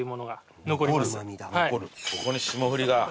ここに霜降りが。